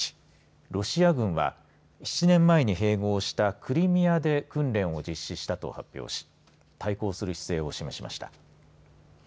ロシア軍は７年前に併合したクリミアで訓練を実施したと発表し対抗する姿勢を示しました。